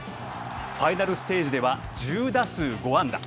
ファイナルステージでは１０打数５安打。